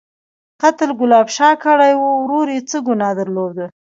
_قتل ګلاب شاه کړی و، ورور يې څه ګناه درلوده؟